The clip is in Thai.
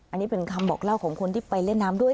อันนี้เป็นคำบอกเล่าของคนที่ไปเล่นน้ำด้วย